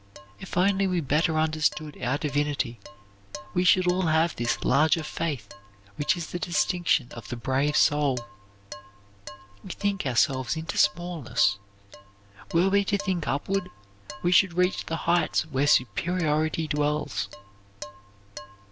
If only we better understood our divinity we should all have this larger faith which is the distinction of the brave soul. We think ourselves into smallness. Were we to think upward we should reach the heights where superiority dwells.